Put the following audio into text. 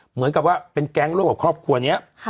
เหมือนกับว่าเป็นแก๊งร่วมกับครอบครัวนี้